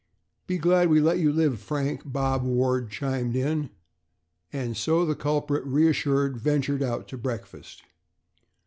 "Be glad we let you live, Frank," Bob Ward chimed in; and so the culprit, reassured, ventured out to breakfast.